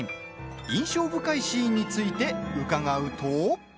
印象深いシーンについて伺うと。